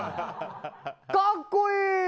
格好いい！